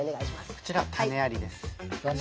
こちら種ありです。